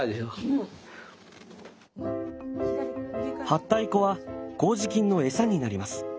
はったい粉は麹菌の餌になります。